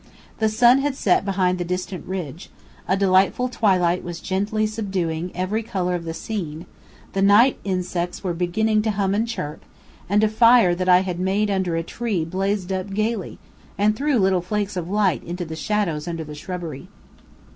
The sun had set behind the distant ridge; a delightful twilight was gently subduing every color of the scene; the night insects were beginning to hum and chirp, and a fire that I had made under a tree blazed up gayly, and threw little flakes of light into the shadows under the shrubbery.